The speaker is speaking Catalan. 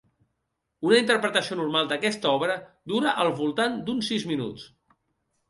Una interpretació normal d'aquesta obra dura al voltant d'uns sis minuts.